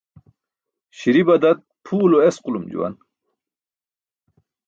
Śi̇ri̇ badat pʰuw lo esqulum juwan.